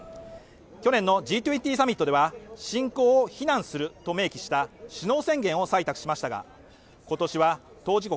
去年のＧ２０サミットでは侵攻を非難すると明記した首脳宣言を採択しましたが今年は当事国